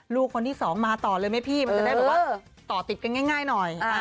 ลูกคนที่สองมาต่อเลยไหมพี่มันจะได้แบบว่าต่อติดกันง่ายหน่อย